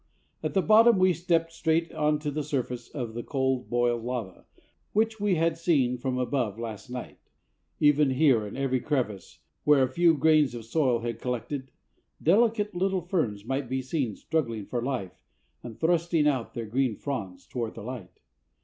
At the bottom we stepped straight on to the surface of cold boiled lava, which we had seen from above last night. Even here, in every crevice where a few grains of soil had collected, delicate little ferns might be seen struggling for life, and thrusting out their green fronds towards the light.